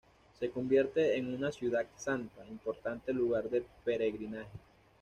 Se convierte en una ciudad santa, importante lugar de peregrinaje.